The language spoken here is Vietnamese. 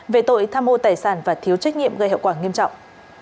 về tội tham mô tài sản và thiếu trách nhiệm gây hậu quả nghiêm trọng